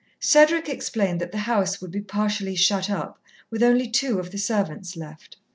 Cedric explained that the house would be partially shut up, with only two of the servants left.